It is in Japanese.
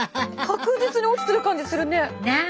確実に落ちてる感じするね。なあ。